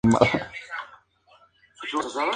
Lee Hall fue seleccionado para escribir el guion.